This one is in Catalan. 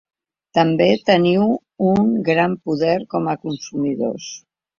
També teniu un gran poder com a consumidors.